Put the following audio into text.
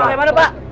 pak sebentar aja pak